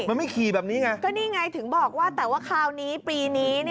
ใช่นี่ไงถึงบอกว่าแต่ว่าคราวนี้ปีนี้